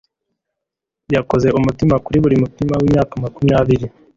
yakoze umutima kuri buri mutima wimyaka makumyabiri